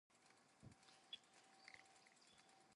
Numerous gaps in the text make this portion of the tale obscure.